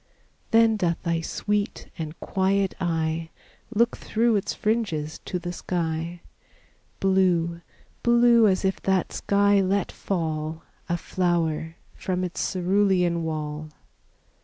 Then doth thy sweet and quiet eye Look through its fringes to the sky, Blue blue as if that sky let fall A flower from its cerulean wall.